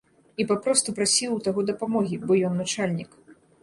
І папросту прасіў у таго дапамогі, бо ён начальнік.